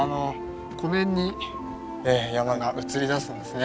湖面に山が映り出すんですね。